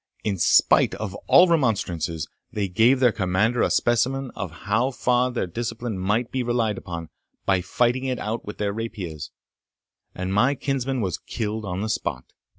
In spite of all remonstrances, they gave their commander a specimen of how far their discipline might be relied upon, by fighting it out with their rapiers, and my kinsman was killed on the spot.